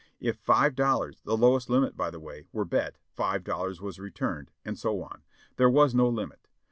If five dollars, the lowest limit by the way, were bet, five dollars was returned, and so on ; there was no limit.